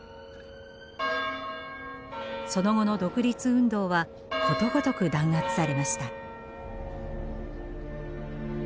その後の独立運動はことごとく弾圧されました。